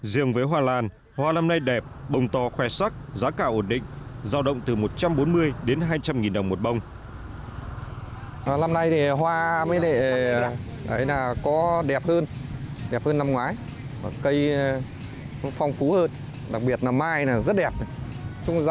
riêng với hoa lan hoa năm nay đẹp bông to khoe sắc giá cả ổn định giao động từ một trăm bốn mươi đến hai trăm linh nghìn đồng một bông